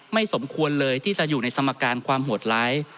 สมควรเลยที่จะอยู่ในสมการความโหดร้าย